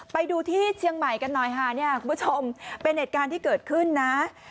ไปดูที่เชียงใหม่กันหน่อยค่ะเนี่ยคุณผู้ชมเป็นเหตุการณ์ที่เกิดขึ้นนะ